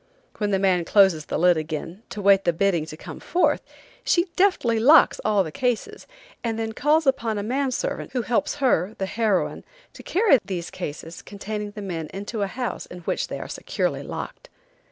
When the man closes the lid again to wait the bidding to come forth, she deftly locks all the cases, and then calls upon a man servant who helps her, the heroine, to carry these cases containing men into a house in which they are securely locked.